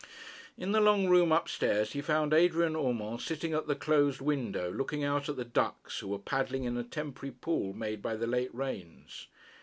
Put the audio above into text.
In the long room up stairs he found Adrian Urmand sitting at the closed window, looking out at the ducks who were paddling in a temporary pool made by the late rains.